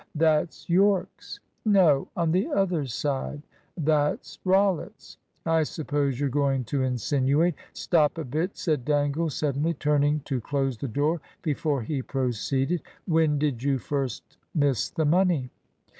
"That's Yorke's." "No: on the other side." "That's Rollitt's. I suppose you're going to insinuate " "Stop a bit," said Dangle, suddenly, turning to close the door before he proceeded. "When did you first miss the money?"